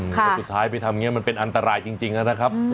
ค่ะสุดท้ายไปทำเงี้ยมันเป็นอันตรายจริงนะครับ